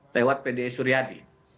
lewat pdi suryadi